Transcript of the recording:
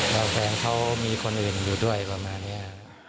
แล้วแฟนเขามีคนอื่นอยู่ด้วยประมาณนี้